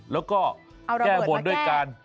แล้วก็แก้บนด้วยการ